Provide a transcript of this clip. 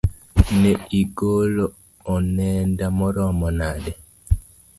Ne igolo onenda maromo nade?